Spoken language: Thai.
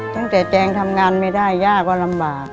แจงทำงานไม่ได้ย่าก็ลำบาก